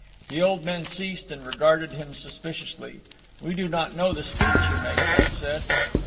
The old men ceased and regarded him suspiciously. "We do not know the speech you make," one said.